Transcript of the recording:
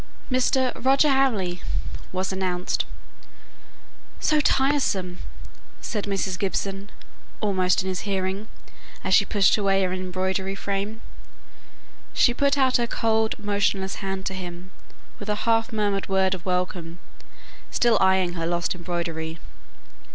"Mr. Roger Hamley," was announced. "So tiresome!" said Mrs. Gibson, almost in his hearing, as she pushed away her embroidery frame. She put out her cold, motionless hand to him, with a half murmured word of welcome, still eyeing her lost embroidery.